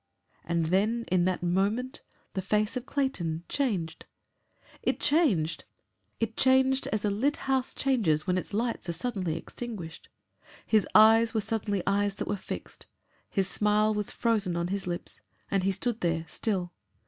And then in that moment the face of Clayton, changed. It changed. It changed as a lit house changes when its lights are suddenly extinguished. His eyes were suddenly eyes that were fixed, his smile was frozen on his lips, and he stood there still.